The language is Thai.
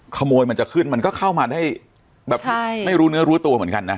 มันจะขึ้นมันก็เข้ามาได้แบบไม่รู้เนื้อรู้ตัวเหมือนกันนะ